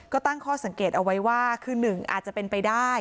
ก็ตั้งข้อสังเกตเอาไว้ว่าคือ๑อาจจะเป็นไปได้